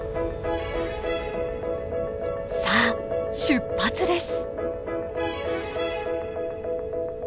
さあ出発です！